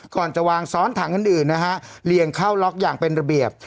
ก่อนจะวางซ้อนถังอื่นนะฮะเลี่ยงเข้าล็อกอย่างเป็นระเบียบ